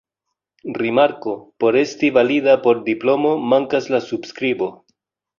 Rimarko: por esti valida por diplomo mankas la subskribo.